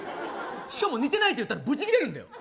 しかも似ていないって言ったらブチギレるんだよ。